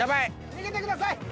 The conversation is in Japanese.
逃げてください。